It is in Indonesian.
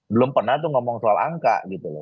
belum pernah tuh ngomong soal angka gitu loh